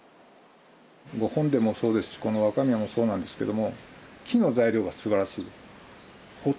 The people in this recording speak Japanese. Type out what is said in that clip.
ご本殿もそうですしこの若宮もそうなんですけども木の材料がすばらしいです。